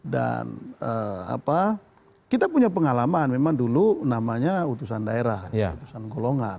dan kita punya pengalaman memang dulu namanya utusan daerah utusan golongan